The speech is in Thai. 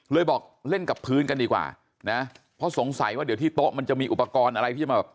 บอกเล่นกับพื้นกันดีกว่านะเพราะสงสัยว่าเดี๋ยวที่โต๊ะมันจะมีอุปกรณ์อะไรที่จะมาแบบ